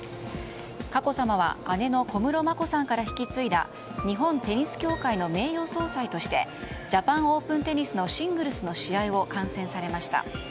佳子さまは姉の小室眞子さんから引き継いだ日本テニス協会の名誉総裁としてジャパン・オープン・テニスのシングルスの試合を観戦されました。